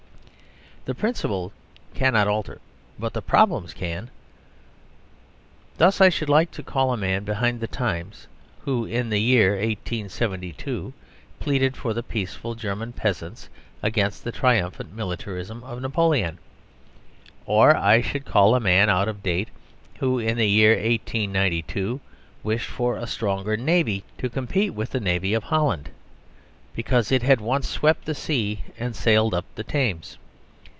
The principles cannot alter, but the problems can. Thus, I should call a man behind the times who, in the year 1872, pleaded for the peaceful German peasants against the triumphant militarism of Napoleon. Or I should call a man out of date who, in the year 1892, wished for a stronger Navy to compete with the Navy of Holland, because it had once swept the sea and sailed up the Thames.